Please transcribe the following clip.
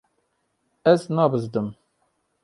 Ez nabizdim.